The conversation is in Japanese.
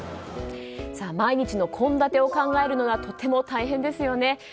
毎日の献立を考えるのはとても大変ですよね。